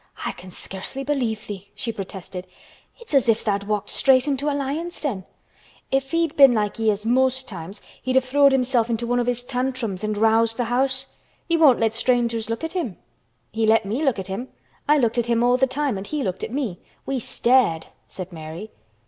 "I can scarcely believe thee!" she protested. "It's as if tha'd walked straight into a lion's den. If he'd been like he is most times he'd have throwed himself into one of his tantrums and roused th' house. He won't let strangers look at him." "He let me look at him. I looked at him all the time and he looked at me. We stared!" said Mary.